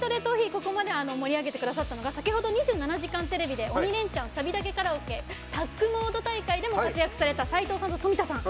ここまで盛り上げてくださったのが先ほど「２７時間テレビ」で「鬼レンチャン」「サビだけカラオケ」タッグモード大会でも活躍された齊藤さんと富田さん